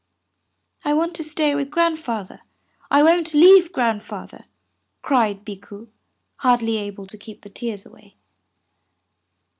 "I want to stay with Grandfather, I won't leave Grandfather," cried Bikku, hardly able to keep the tears away.